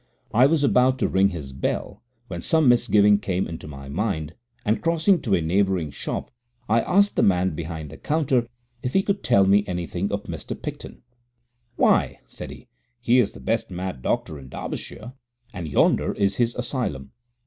I was about to ring his bell, when some misgiving came into my mind, and, crossing to a neighbouring shop, I asked the man behind the counter if he could tell me anything of Mr. Picton. "Why," said he, "he is the best mad doctor in Derbyshire, and yonder is his asylum."